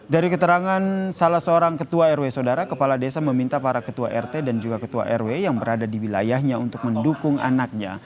dari keterangan salah seorang ketua rw saudara kepala desa meminta para ketua rt dan juga ketua rw yang berada di wilayahnya untuk mendukung anaknya